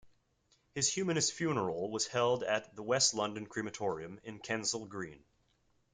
His Humanist funeral was held at the West London Crematorium, in Kensal Green.